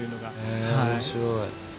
へえ面白い。